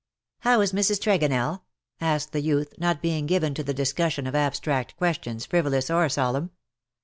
" How is Mrs. Tregonell V asked the youth_, not being given to the discussion of abstract questions, frivolous or solemn.